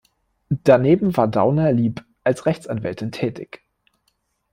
Daneben war Dauner-Lieb als Rechtsanwältin tätig.